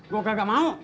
gua kagak mau